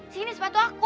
sini sepatu aku